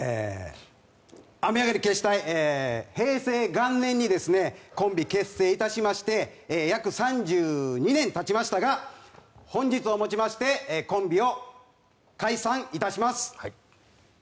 雨上がり決死隊、平成元年にですね、コンビ結成いたしまして、約３２年たちましたが、本日をもちまして、コンビを解散いたします。